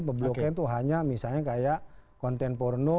bebloknya itu hanya misalnya kayak konten porno